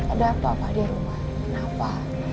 ada apa apa di rumah kenapa